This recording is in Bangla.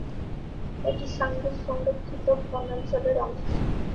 এটি সাঙ্গু সংরক্ষিত বনাঞ্চলের অংশ।